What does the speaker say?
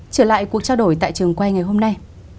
trở lại cuộc trao đổi tại trường quay ngày hôm nay